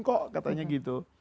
kok katanya gitu